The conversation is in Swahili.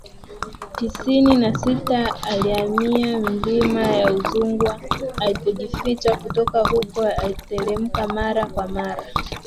tisini na sita alihamia milima ya Uzungwa alipojificha Kutoka huko alitelemka mara kwa mara